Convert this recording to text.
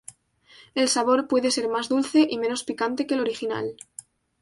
El sabor puede ser más dulce y menos picante que el original.